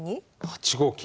８五金。